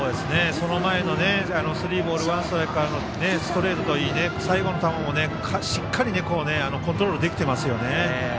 その前のスリーボールワンストライクからのストレートといい最後の球も、しっかりコントロールできていますよね。